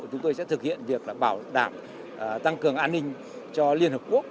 chúng tôi sẽ thực hiện việc bảo đảm tăng cường an ninh cho liên hợp quốc